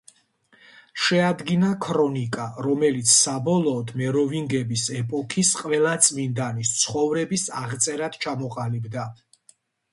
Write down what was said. შეადგინა ქრონიკა, რომელიც, საბოლოოდ, მეროვინგების ეპოქის ყველა წმინდანის ცხოვრების აღწერად ჩამოყალიბდა.